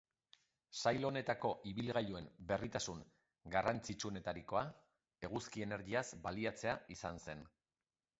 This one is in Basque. Sail honetako ibilgailuen berritasun garrantzitsuenetarikoa eguzki energiaz baliatzea izan zen.